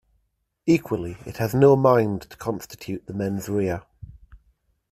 Equally, it has no mind to constitute the "mens rea".